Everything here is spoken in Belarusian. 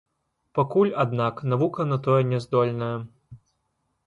Пакуль, аднак, навука на тое няздольная.